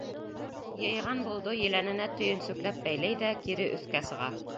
Йыйған болдо еләненә төйөнсөкләп бәйләй ҙә кире өҫкә сыға.